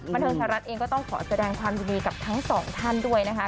บันเทิงไทยรัฐเองก็ต้องขอแสดงความยินดีกับทั้งสองท่านด้วยนะคะ